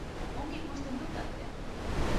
Ongi ikusten dut taldea.